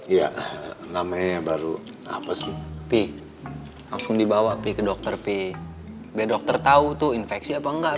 iya namanya baru apa sih p langsung dibawa pi ke dokter pi biar dokter tahu tuh infeksi apa enggak